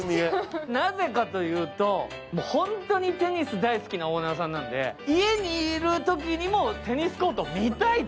なぜかというとホントにテニス大好きなオーナーさんなんで家にいるときにもテニスコートを見たいと。